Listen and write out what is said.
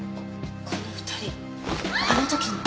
この２人あの時の。